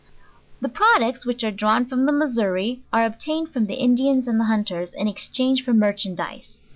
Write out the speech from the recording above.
"The products whicli arc drawn frowr the Missouri, are obtained from the Indians and hunters in exchange for mer chandise.